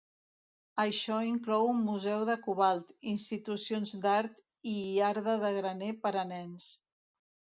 Això inclou un museu de cobalt, institucions d'art i iarda de graner per a nens.